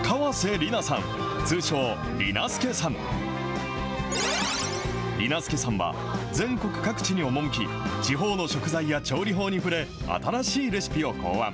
りな助さんは、全国各地に赴き、地方の食材や調理法に触れ、新しいレシピを考案。